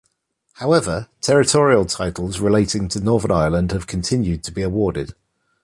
However, territorial titles relating to Northern Ireland have continued to be awarded.